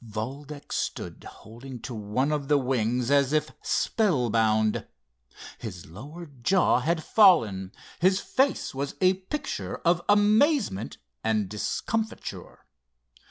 Valdec stood holding to one of the wings, as if spellbound. His lower jaw had fallen, his face was a picture of amazement and discomfiture.